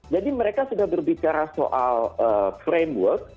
jadi mereka sudah berbicara soal framework